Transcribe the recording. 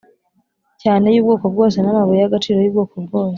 Cyane y ubwoko bwose n amabuye y agaciro y ubwoko bwose